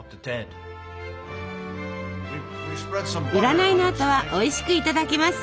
占いのあとはおいしくいただきます。